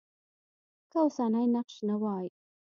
که اوسنی نقش نه وای.